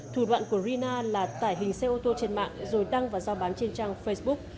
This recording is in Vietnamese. thủ đoạn của rina là tải hình xe ô tô trên mạng rồi đăng và giao bán trên trang facebook